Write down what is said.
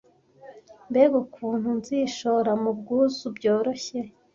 mbega ukuntu nzishora mu bwuzu byoroshye